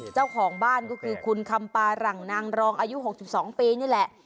เจ้าของบ้านก็คือคุณคำปาหลังนางรองอายุ๖๒ปีนี่แหละ